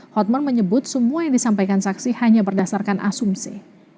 hotman menyebut semua yang disampaikan saksi hanya berdasarkan asumsi